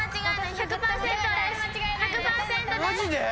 １００％です！